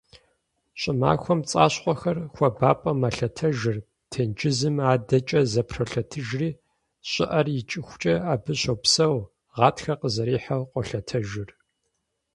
Щӏымахуэм пцӏащхъуэхэр хуабапӏэм мэлъэтэжыр, тенджызым адэкӏэ зэпролъэтыжри щӏыӏэр икӏыхукӏэ абы щопсэу, гъатхэр къызэрихьэу, къолъэтэжыр.